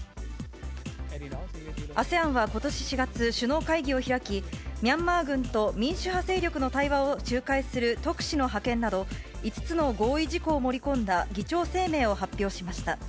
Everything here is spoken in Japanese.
ＡＳＥＡＮはことし４月、首脳会議を開き、ミャンマー軍と民主派勢力の対話を仲介する特使の派遣など、５つの合意事項を盛り込んだ議長声明を発表しました。